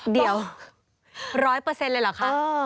เดี๋ยว๑๐๐เลยเหรอคะ